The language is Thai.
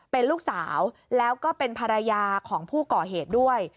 เป็นลูกสาวแล้วก็เป็นภรรยาของผู้ก่อเหตุด้วย